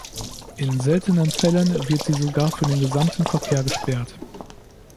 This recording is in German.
In seltenen Fällen wird sie sogar für den gesamten Verkehr gesperrt.